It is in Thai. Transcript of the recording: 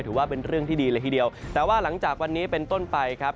ถือว่าเป็นเรื่องที่ดีเลยทีเดียวแต่ว่าหลังจากวันนี้เป็นต้นไปครับ